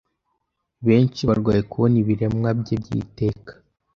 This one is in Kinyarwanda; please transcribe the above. Benshi barwaye kubona ibiremwa bye byiteka